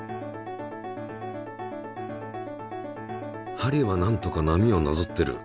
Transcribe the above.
針はなんとか波をなぞってる。